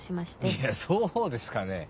いやそうですかね？